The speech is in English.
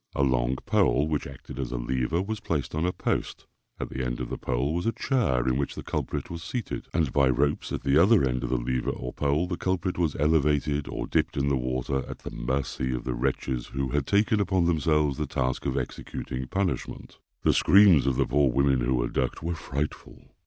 A long pole, which acted as a lever, was placed on a post; at the end of the pole was a chair, in which the culprit was seated; and by ropes at the other end of the lever or pole, the culprit was elevated or dipped in the water at the mercy of the wretches who had taken upon themselves the task of executing punishment. The screams of the poor women who were ducked were frightful.